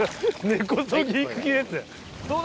根こそぎいく気ですね。